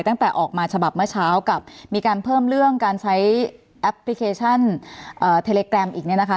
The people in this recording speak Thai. ตั้งแต่ออกมาฉบับเมื่อเช้ากับมีการเพิ่มเรื่องการใช้แอปพลิเคชันเทเลแกรมอีกเนี่ยนะคะ